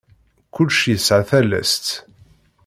Kullec yesɛa talast.